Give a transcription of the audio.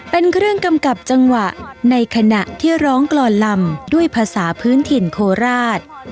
เป็นเครื่องกำกับจังหวะในขณะที่ร้องกรอนลำด้วยภาษาพื้นถิ่นโคราช